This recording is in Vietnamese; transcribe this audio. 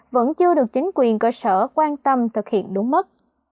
vẫn chưa được chính quyền cơ sở quan tâm thực hiện đúng mức